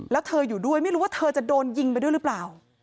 แล้วเธออยู่ด้วยไม่รู้ว่าเธอจะโดนยิงไปด้วยหรือเปล่า